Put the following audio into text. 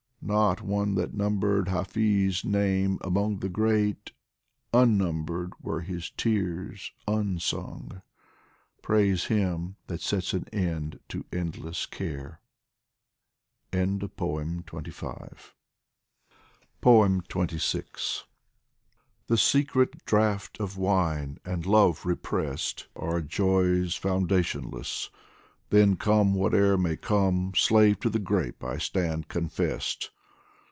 Not one that numbered Hafiz' name among The great unnumbered were his tears, unsung ; Praise him that sets an end to endless care ! XXVI THE secret draught of wine and love repressed Are joys foundationless then come whate'er May come, slave to the grape I stand confessed